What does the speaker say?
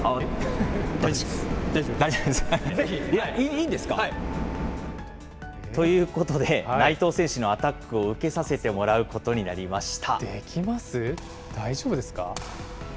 いいんですか。ということで、内藤選手のアタックを受けさせてもらうことになりました。